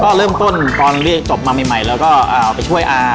ก็เริ่มต้นตอนเรียกจบมาใหม่แล้วก็ไปช่วยอา